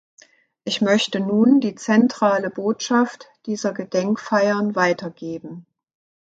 Ich möchte nun die zentrale Botschaft dieser Gedenkfeiern weitergeben.